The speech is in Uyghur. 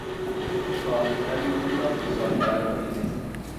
ئاھ. ئەمدى نېمىلا قىلسام بەرىبىر ئىدى.